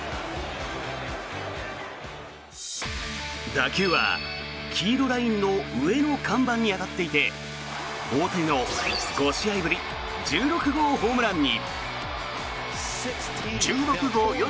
打球は黄色ラインの上の看板に当たっていて大谷の５試合ぶり１６号ホームランに。